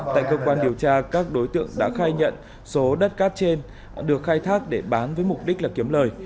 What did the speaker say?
tại cơ quan điều tra các đối tượng đã khai nhận số đất cát trên được khai thác để bán với mục đích là kiếm lời